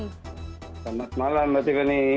selamat malam mbak tiffany